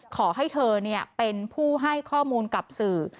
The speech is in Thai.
ขอให้เธอเป็นผู้ให้ข้อมูลกับสื่อ